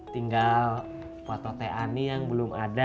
tinggal foto teh ani yang belum ada